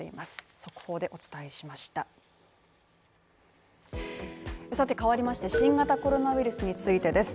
速報でお伝えしましたさてかわりまして新型コロナウイルスについてです